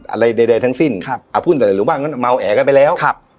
อะไรใดใดทั้งสิ้นครับอ่ะพูดแต่หลุงบ้านเขาเมาแอกันไปแล้วครับ